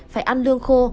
phải ăn lương khô